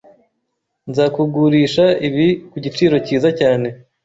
Nzakugurisha ibi ku giciro cyiza cyane